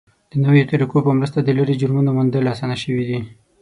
د نویو طریقو په مرسته د لرې جرمونو موندل اسانه شوي دي.